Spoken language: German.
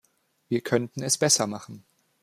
Wir könnten es besser machen.